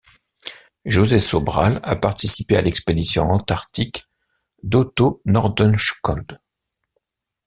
José Sobral a participé à l'expédition Antarctic d'Otto Nordenskjöld.